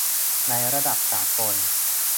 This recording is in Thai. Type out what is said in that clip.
ในระดับสากล